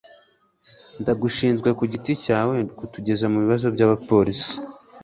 Ndagushinzwe kugiti cyawe kutugeza mubibazo byabapolisi